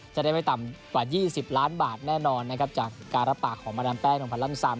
จะได้ไม่ต่ำกว่า๒๐ล้านบาทแน่นอนนะครับจากการรับปากของมาดามแป้งองพันลั่นซาม